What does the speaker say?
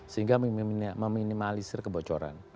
sehingga meminimalisir kebocoran